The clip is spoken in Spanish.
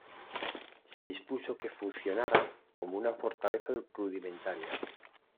Se dispuso que funcionará como una fortaleza rudimentaria.